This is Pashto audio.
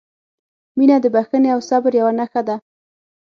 • مینه د بښنې او صبر یوه نښه ده.